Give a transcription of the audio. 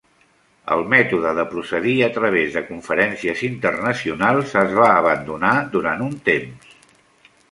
El mètode de procedir a través de conferències internacionals es va abandonar durant un temps.